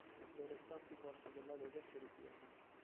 Le restanti forze della Lega si ritirano.